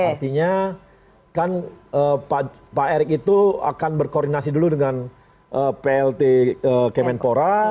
artinya kan pak erik itu akan berkoordinasi dulu dengan plt kemenpora